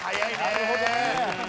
なるほどね。